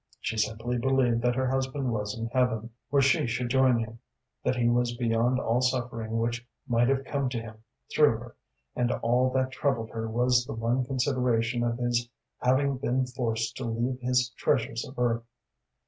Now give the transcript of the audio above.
She simply believed that her husband was in heaven, where she should join him; that he was beyond all suffering which might have come to him through her, and all that troubled her was the one consideration of his having been forced to leave his treasures of earth.